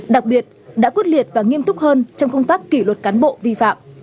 đặc biệt đã quyết liệt và nghiêm túc hơn trong công tác kỷ luật cán bộ vi phạm